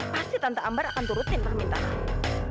pasti tante ambar akan turutin permintaannya